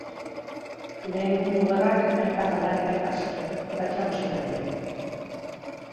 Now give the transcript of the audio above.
Lehen Mundu Gerrak hainbat aldaketa ekarri zituen, baita musikan ere.